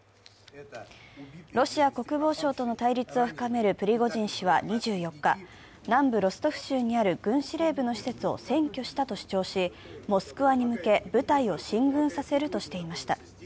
ロシア国防省との対立を深めるプリゴジン氏は２４日、南部ロストフ州にある軍司令部の施設を占拠したと主張し、モスクワに向け、部隊を進軍させるとしていました。